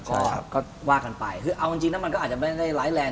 ใช่ครับก็ว่ากันไปคือเอาจริงจริงนะมันก็อาจจะไม่ได้ไลฟ์แรง